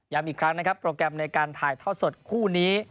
อีกครั้งนะครับโปรแกรมในการถ่ายทอดสดคู่นี้